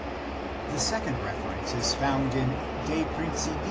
The second reference is found in De Princip.